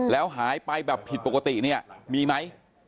แล้วหายไปแบบผิดปกติเนี่ยมีไหม